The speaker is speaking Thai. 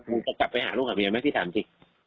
นี่จะจะไปหาลูกของมียังไหมที่ถามสิ